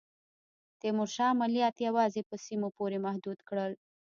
تیمورشاه عملیات یوازي په سیمو پوري محدود کړل.